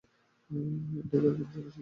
Dagger, কোনোরকম সংঘর্ষে জড়াবেন না।